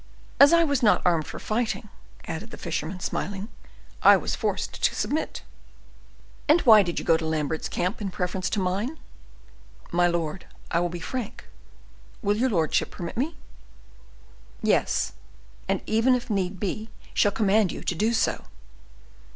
As I was not armed for fighting," added the fisherman, smiling, "I was forced to submit." "And why did you go to Lambert's camp in preference to mine?" "My lord, I will be frank; will your lordship permit me?" "Yes, and even if need be shall command you to be so."